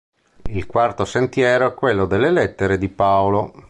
Il quarto sentiero è quello delle lettere di Paolo.